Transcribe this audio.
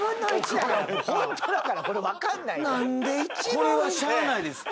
これはしゃあないですって。